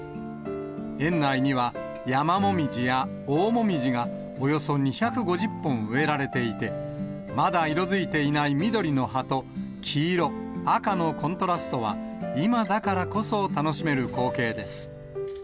園内には、ヤマモミジやオオモミジがおよそ２５０本植えられていて、まだ色づいていない緑の葉と、黄色、赤のコントラストは今だからこそ楽しめる光景です。